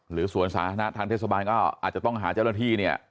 สวนสาธารณะทางเทศบาลก็อาจจะต้องหาเจ้าหน้าที่เนี่ย